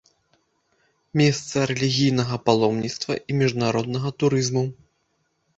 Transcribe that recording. Месца рэлігійнага паломніцтва і міжнароднага турызму.